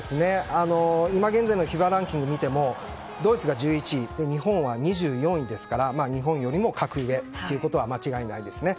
今現在のＦＩＦＡランキングを見てもドイツが１１位日本は２４位ですから日本よりも格上ということは間違いないですね。